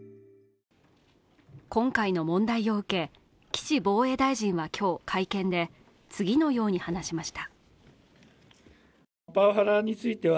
今回の問題を受け、岸防衛大臣は今日、会見で次のように話しました。